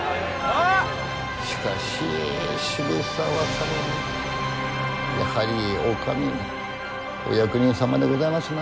しかし渋沢様もやはりお上のお役人様でございますな。